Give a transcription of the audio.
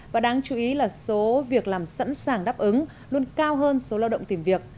và đáng chú ý là số việc làm sẵn sàng đáp ứng luôn cao hơn số lao động tìm việc